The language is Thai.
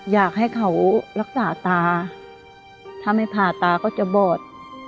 อยากให้เขารักษาตาถ้าไม่ผ่าตาก็จะบอด